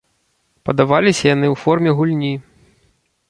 Падаваліся яны ў форме гульні.